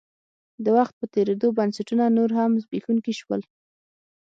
د وخت په تېرېدو بنسټونه نور هم زبېښونکي شول.